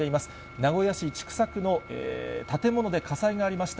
名古屋市千種区の建物で火災がありました。